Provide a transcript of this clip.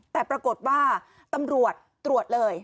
แต่ปรากฏว่าตำรวจตรวจเลย